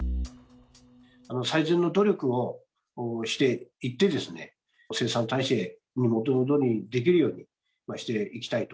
最善の努力をしていって、生産体制を元どおりにできるようにしていきたいと。